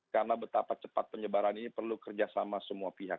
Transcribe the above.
karena betapa cepat penyebaran ini perlu kerjasama semua pihak